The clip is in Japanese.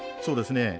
そうですね。